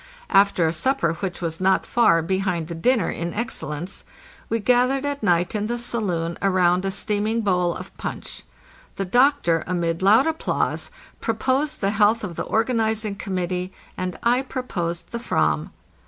After a supper which was not far behind the dinner in excellence we gathered at night in the saloon around a steam ing bowl of punch. The doctor, amid loud applause, proposed the health of the organizing committee, and I proposed the /ram.